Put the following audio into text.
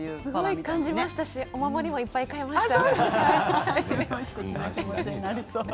感じましたしお守りもいっぱい買いました。